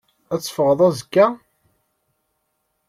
Ad teffɣeḍ azekka?